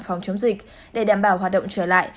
phòng chống dịch để đảm bảo hoạt động trở lại